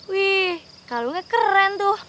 wih kalungnya keren tuh